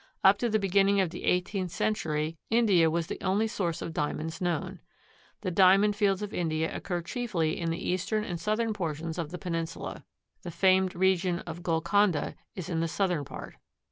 Up to the beginning of the eighteenth century India was the only source of Diamonds known. The Diamond fields of India occur chiefly in the eastern and southern portions of the peninsula. The famed region of Golconda is in the southern part.